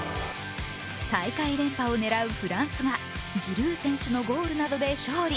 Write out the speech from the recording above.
大会連覇を狙うフランスがジルー選手のゴールなどで勝利。